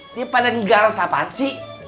ini pada negara siapaan sih